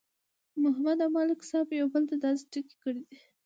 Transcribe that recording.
محمود او ملک صاحب یو بل ته داسې ټکي کړي دي